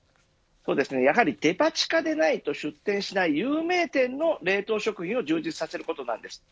やはりデパ地下でないと出店しない有名店の冷凍食品を充実させることです。